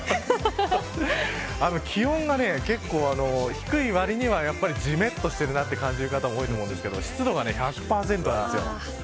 気温が低いわりにはじめっとしているなと感じる方も多いと思うんですが湿度が１００％なんですよ。